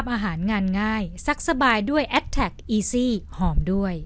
ว่าเราสองคนเป็นแฟนกัน